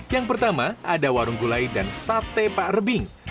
yang pertama ada warung gulai dan sate pak rebing